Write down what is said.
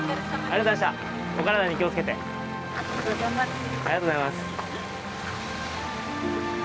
ありがとうございます。